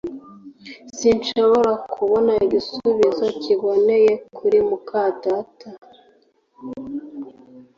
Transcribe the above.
Sinshobora kubona igisubizo kiboneye kuri muka data